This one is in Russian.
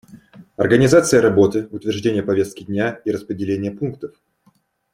Организация работы, утверждение повестки дня и распределение пунктов.